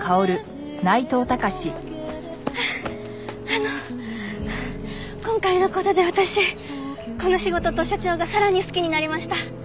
ああの今回の事で私この仕事と社長がさらに好きになりました。